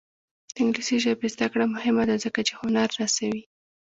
د انګلیسي ژبې زده کړه مهمه ده ځکه چې هنر رسوي.